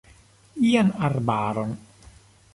Ian arbaron.